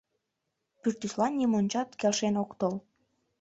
Пӱртӱслан нимончат келшен ок тол.